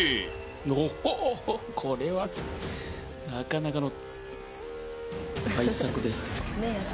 おおこれはなかなかの大作ですねこれ。